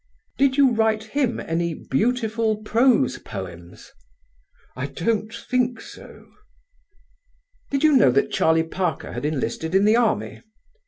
"Did you write him any beautiful prose poems?" "I don't think so." "Did you know that Charlie Parker had enlisted in the Army?"